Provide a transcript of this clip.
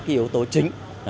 ba yếu tố chính